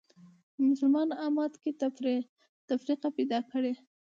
په مسلمان امت کې تفرقه پیدا کړې